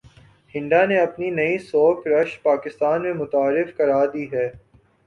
Honda نے اپنی نئی سوک رش پاکستان میں متعارف کرا دی ہے